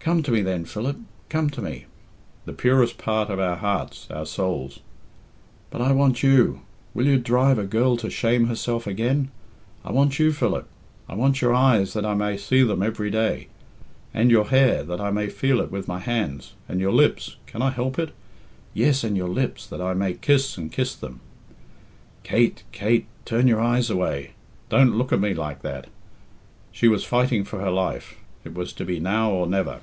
"Come to me then, Philip, come to me!" "The purest part of our hearts our souls " "But I want you! Will you drive a girl to shame herself again? I want you, Philip! I want your eyes that I may see them every day; and your hair, that I may feel it with my hands; and your lips can I help it? yes, and your lips, that I may kiss and kiss them!" "Kate! Kate! Turn your eyes away. Don't look at me like that!" She was fighting for her life. It was to be now or never.